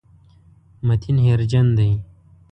متین هېرجن دی.